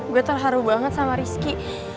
gue terharu banget sama rizky